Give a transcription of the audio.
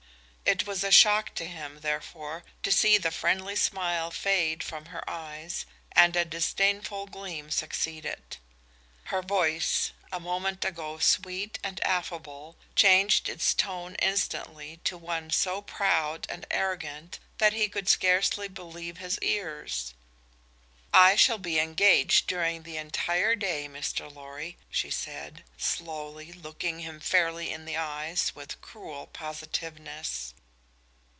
It was a shock to him, therefore, to see the friendly smile fade from her eyes and a disdainful gleam succeed it. Her voice, a moment ago sweet and affable, changed its tone instantly to one so proud and arrogant that he could scarcely believe his ears. "I shall be engaged during the entire day, Mr. Lorry," she said, slowly, looking him fairly in the eyes with cruel positiveness.